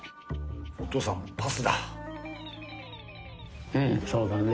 お父さんうんそうだね。